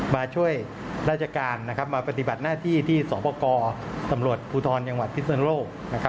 มาช่วยราชการมาปฏิบัติหน้าที่ที่สอบประกอบตำรวจภูทรจังหวัดพิศนุโลก